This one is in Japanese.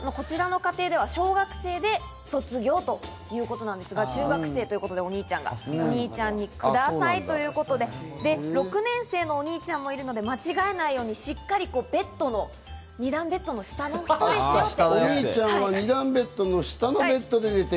こちらの家庭では、小学生で卒業ということなんですが中学生ということで、お兄ちゃんにくださいということで、６年生のお兄ちゃんもいるので、間違えないようにしっかり二段ベッドの下ですよと。